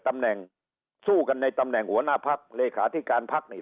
ตำแหน่งสู้กันในตำแหน่งหัวหน้าพักเลขาธิการพักนี่